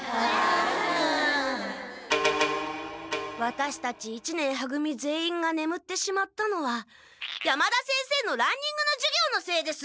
ワタシたち一年は組全員がねむってしまったのは山田先生のランニングの授業のせいです！